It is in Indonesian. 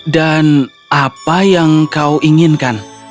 dan apa yang kau inginkan